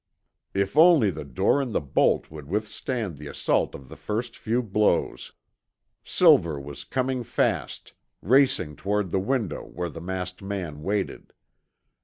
If only the door and the bolt would withstand the assault of the first few blows! Silver was coming fast, racing toward the window where the masked man waited.